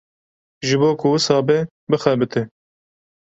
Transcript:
Ji bo ku wisa be bixebite.